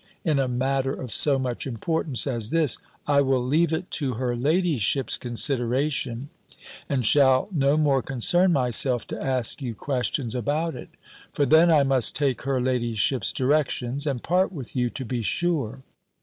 in a matter of so much importance as this, I will leave it to her ladyship's consideration, and shall no more concern myself to ask you questions about it For then I must take her ladyship's directions, and part with you, to be sure."